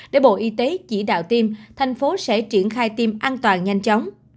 để bộ y tế chỉ đạo tiêm thành phố sẽ triển khai tiêm an toàn nhanh chóng